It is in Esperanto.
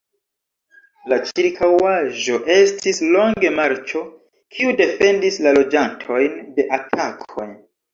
La ĉirkaŭaĵo estis longe marĉo, kiu defendis la loĝantojn de atakoj.